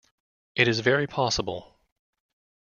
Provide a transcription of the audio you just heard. It is very possible.